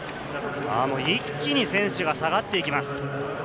一気に選手が下がっていきます。